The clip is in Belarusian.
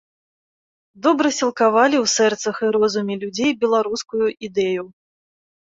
Добра сілкавалі ў сэрцах і розуме людзей беларускую ідэю.